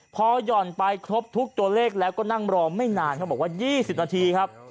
พอหย่อนไปครบทุกตัวเลขแล้วก็นั่งรอไม่นานเขาบอกว่า๒๐นาทีครับ